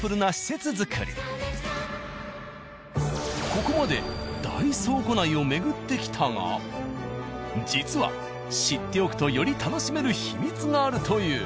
ここまで大倉庫内を巡ってきたが実は知っておくとより楽しめるヒミツがあるという。